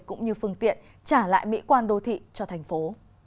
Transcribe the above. cũng như phương tiện trả lại mỹ quan đô thị cho thành phố